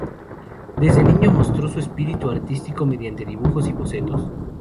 Desde niño mostró su espíritu artístico mediante dibujos y bocetos.